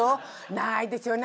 長いですよね